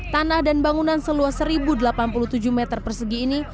tanah dan bangunan seluas satu delapan puluh tujuh meter persegi ini